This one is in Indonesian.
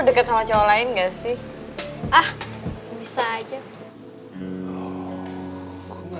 deket sama cowok lain gak sih ah bisa aja